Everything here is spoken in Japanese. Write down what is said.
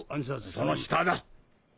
その下だ。